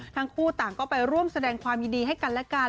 ทั้งคู่ต่างก็ไปร่วมแสดงความยินดีให้กันและกัน